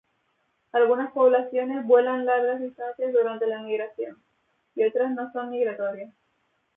Algunas poblaciones vuelan largas distancias durante la migración, y otras no son migratorias.